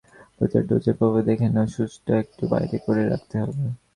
প্রতিটা ডোজের প্রভাব দেখে নাও, সূঁচটা একটু বাইরে করে রাখতে হবে।